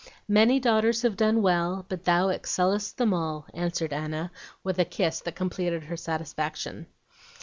"Many daughters have done well, but thou excellest them all," answered Anna, with a kiss that completed her satisfaction.